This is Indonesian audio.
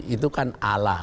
itu kan ala